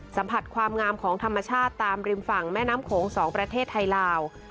สัมผัสความงามของธรรมชาติตามริมฝั่งแม่น้ำโขง๒ประเทศไทยลาว